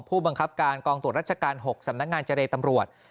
ผู้บังคับการกองตรวจราชการ๖สำนักงานเจรตำรวจ